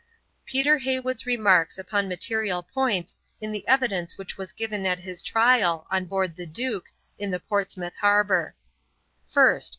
'Peter Heywood's Remarks upon material points of the evidence which was given at his trial, on board the Duke, in Portsmouth Harbour. '_First.